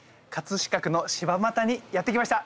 飾区の柴又にやって来ました。